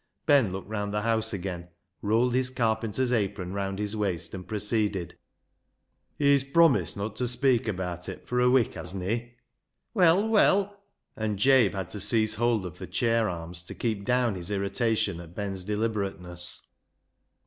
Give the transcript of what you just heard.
Ben looked round the house again, rolled his carpenter's apron round his waist, and proceeded —" He's promised no' ta speik abaat it fur a wik, hasna he ?"" Well, well !" and Jabe had to seize hold of the chair arms to keep down his irritation at Ben's deliberateness.